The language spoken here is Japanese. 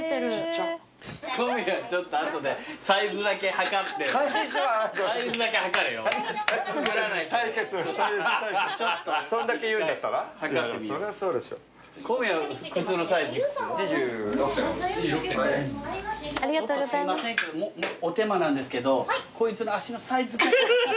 ちょっとすいませんけどお手間なんですけどこいつの足のサイズだけ測って。